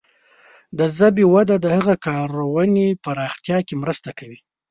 د ژبې وده د هغه کارونې پراختیا کې مرسته کوي.